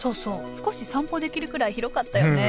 少し散歩できるくらい広かったよね